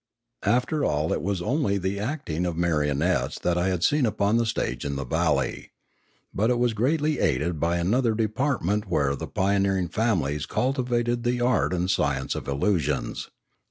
After all it was only the acting of marionettes that I had seen upon the stage in the valley. But it was greatly aided by another department where the pio neering families cultivated the art and science of illusions.